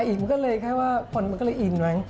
มันก็เลยใช้ว่ามันก็เลยแกล้ง